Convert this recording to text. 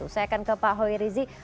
saya akan ke pak hoi rizie